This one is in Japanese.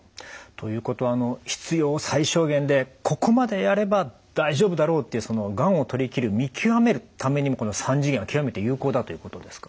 ということは必要最小限でここまでやれば大丈夫だろうっていうがんを取りきる見極めるためにもこの３次元は極めて有効だということですか？